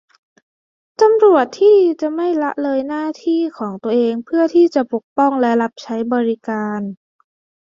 ตำรวจที่ดีจะไม่ละเลยหน้าที่ของตัวเองเพื่อที่จะปกป้องและรับใช้บริการ